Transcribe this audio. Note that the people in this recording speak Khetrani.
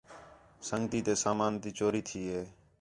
سنڳتی تے سامان تی چوری تھی ہے